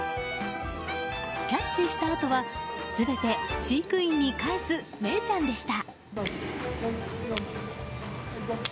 キャッチしたあとは全て飼育員に返すメイちゃんでした。